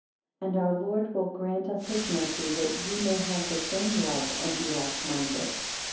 9 And our Lord will grant us his mercy, that ye may have the same love, and be like minded.